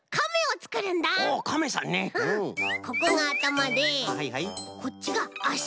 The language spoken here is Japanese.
ここがあたまでこっちがあし。